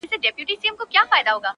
زوکام يم ـ